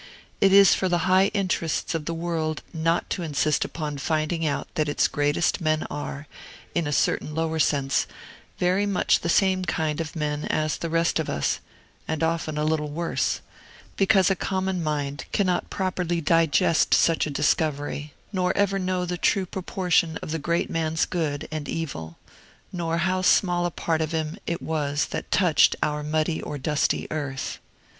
It is for the high interests of the world not to insist upon finding out that its greatest men are, in a certain lower sense, very much the same kind of men as the rest of us, and often a little worse; because a common mind cannot properly digest such a discovery, nor ever know the true proportion of the great man's good and evil, nor how small a part of him it was that touched our muddy or dusty earth.